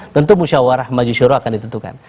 tentu musyawarah majisoro akan ditentukan